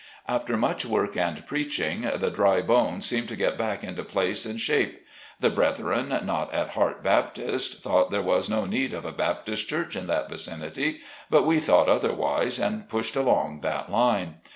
After much work and preaching, the dry bones seem to get back into place and shape. The breth ren not at heart Baptist, thought there was no need of a Baptist church in that vicinity, but we thought otherwise and pushed along that line.